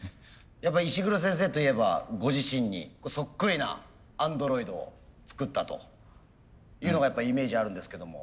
やっぱ石黒先生といえばご自身にそっくりなアンドロイドを作ったというのがやっぱイメージあるんですけども。